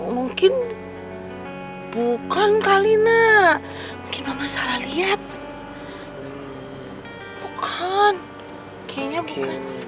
mungkin bukan kali nak mungkin mama salah liat bukan kayanya bukan